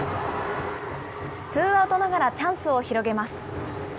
ツーアウトながらチャンスを広げます。